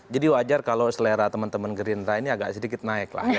jadi wajar kalau selera teman teman gerindra ini agak sedikit naik lah